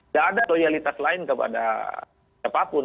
tidak ada loyalitas lain kepada siapapun